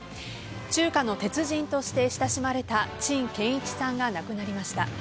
中華の鉄人として親しまれた陳建一さんが亡くなりました。